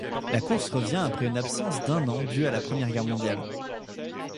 La course revient après une absence d'un an due à la Première Guerre mondiale.